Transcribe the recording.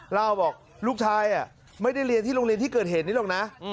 เล่าบอกลูกชายไม่ได้เรียนที่โรงเรียนที่เกิดเหตุนี้หรอกนะ